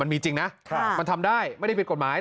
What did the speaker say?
มีจริงนะมันทำได้ไม่ได้ผิดกฎหมาย